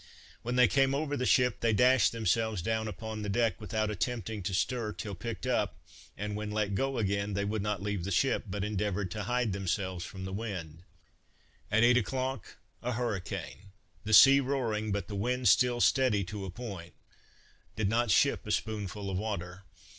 When they came over the ship they dashed themselves down upon the deck, without attempting to stir till picked up, and when let go again, they would not leave the ship, but endeavoured to hide themselves from the wind. At eight o'clock a hurricane; the sea roaring, but the wind still steady to a point; did not ship a spoonful of water.